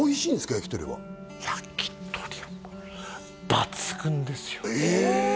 焼き鳥は焼き鳥はもう抜群ですよへえ！